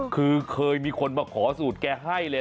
คือเคยมีคนมาขอสูตรแกให้เลย